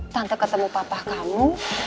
tante ketemu papa kamu